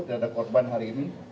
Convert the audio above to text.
tidak ada korban hari ini